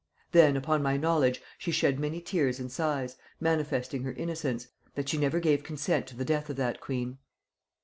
Then, upon my knowledge, she shed many tears and sighs, manifesting her innocence, that she never gave consent to the death of that queen.